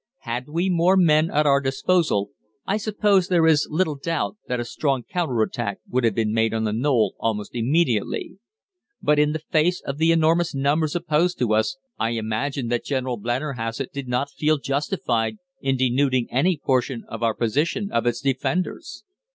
"Had we more men at our disposal I suppose there is little doubt that a strong counter attack would have been made on the knoll almost immediately; but in the face of the enormous numbers opposed to us, I imagine that General Blennerhasset did not feel justified in denuding any portion of our position of its defenders.